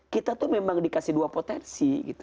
kita itu memang dikasih dua potensi